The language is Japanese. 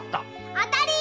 当たりー！